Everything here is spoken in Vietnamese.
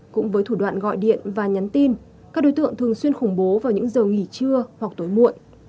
cũng với thủ đoạn gọi điện và nhắn tin các đối tượng thường xuyên khủng bố vào những giờ nghỉ trưa hoặc tối muộn